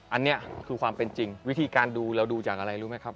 อันนี้คือความเป็นจริงวิธีการดูเราดูจากอะไรรู้ไหมครับ